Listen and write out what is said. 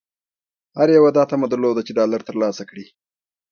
هر یوه دا طمعه درلوده چې ډالر ترلاسه کړي.